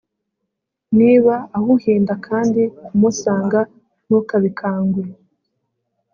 niba ahuhinda kandi umusanga ntukabikangwe